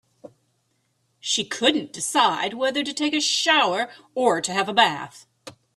She couldn't decide whether to take a shower or to have a bath.